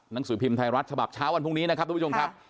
หนังสือพิมพ์ไทยรัฐฉบับเช้าวันพรุ่งนี้นะครับทุกผู้ชมครับ